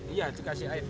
iya kasih air